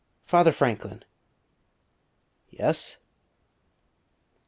Father Franklin " "Yes?"